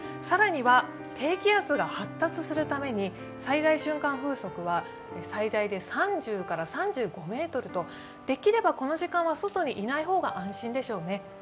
更には低気圧が発達するために、最大瞬間風速は最大で３０から３５メートルとできればこの時間は外にいない方が安心でしょうね。